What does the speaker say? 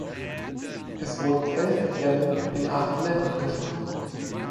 Es wurden elf Rennen in acht Ländern gefahren.